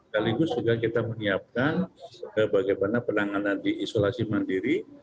kaligus juga kita menyiapkan bagaimana penanganan di isolasi mandiri